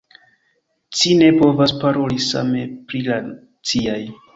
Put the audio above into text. Ci ne povas paroli same pri la ciaj.